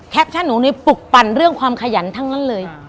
แคปชั่นหนูปลุกปั่นเรื่องความขยันทั้งนั้นเลย